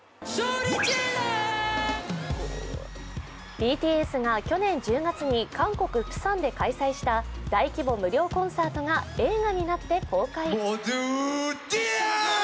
ＢＴＳが去年１０月に韓国・プサンで開催した大規模無料コンサートが映画になって公開。